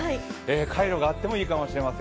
カイロがあってもいいかもしれません。